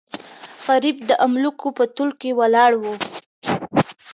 غریب د املوکو په تول کې ولاړو.